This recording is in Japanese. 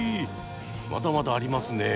まだまだありますね。